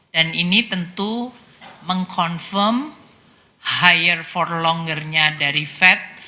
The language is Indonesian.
dan ini tentu meng confirm higher for longernya dari fed